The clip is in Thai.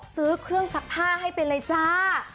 ซื้อเครื่องซักผ้าให้ไปเลยจ้า